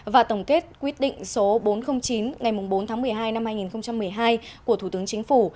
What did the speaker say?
và tổng kết quyết định số bốn trăm linh chín ngày bốn tháng một mươi hai năm hai nghìn một mươi hai của thủ tướng chính phủ